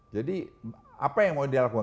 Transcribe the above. jadi apa yang mau dilakukan